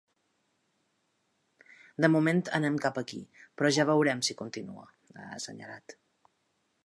De moment anem cap aquí, però ja veurem si continua, ha assenyalat.